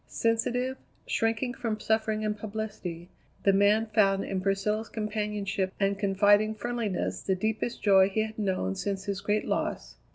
Sensitive, shrinking from suffering and publicity, the man found in Priscilla's companionship and confiding friendliness the deepest joy he had known since his great loss.